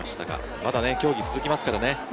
まだ競技は続きますからね。